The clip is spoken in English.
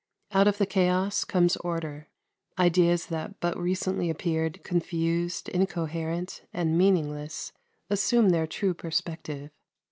Out of the chaos comes order; ideas that but recently appeared confused, incoherent, and meaningless assume their true perspective.